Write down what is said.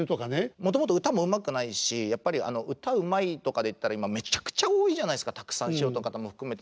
もともと歌もうまくないしやっぱり歌うまいとかで言ったら今めちゃくちゃ多いじゃないですかたくさん素人の方も含めて。